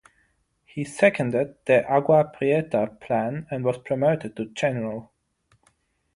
He seconded the Agua Prieta Plan and was promoted to General.